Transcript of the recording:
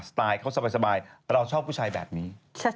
ไตล์เขาสบายแต่เราชอบผู้ชายแบบนี้